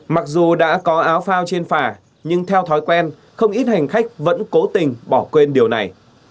mặc dù đã có áo phao trên phà nhưng theo thói quen không ít hành khách vẫn cố tình bỏ quên điều này